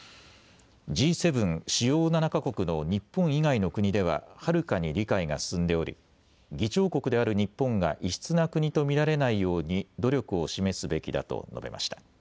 Ｇ７・主要７か国の日本以外の国でははるかに理解が進んでおり議長国である日本が異質な国と見られないように努力を示すべきだと述べました。